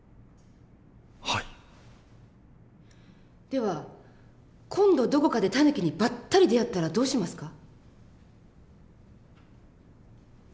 では今度どこかでタヌキにばったり出会ったらどうしますか？